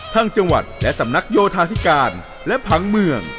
จังหวัดและสำนักโยธาธิการและผังเมือง